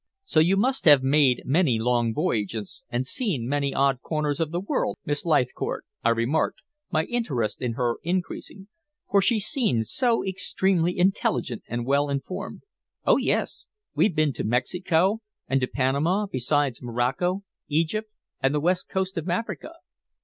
"So you must have made many long voyages, and seen many odd corners of the world, Miss Leithcourt?" I remarked, my interest in her increasing, for she seemed so extremely intelligent and well informed. "Oh, yes. We've been to Mexico, and to Panama, besides Morocco, Egypt, and the West Coast of Africa."